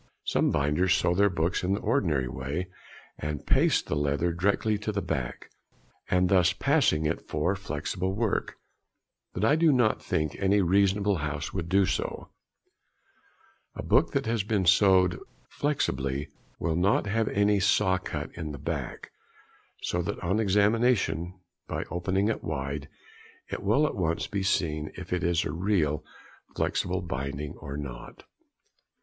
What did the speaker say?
Some binders sew their books in the ordinary way, and paste the leather directly to the back, and thus pass it for flexible work; but I do not think any respectable house would do so. A book that has been sewed flexibly will not have any saw cut in the back, so that on examination, by opening it wide, it will at once be seen if it is a real flexible binding or not.